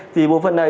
thì bộ phận này